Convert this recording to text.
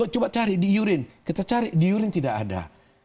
coba cari di urin kita cari di urin tidak ada